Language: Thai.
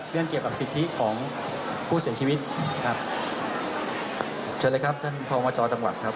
เรื่องเกี่ยวกับสิทธิของผู้เสียชีวิตครับเชิญเลยครับท่านพมจอจังหวัดครับ